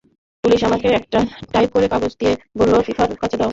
Police আমাকে একটা type করা কাগজ দিয়ে বলল, ফিফার কাছে যাও।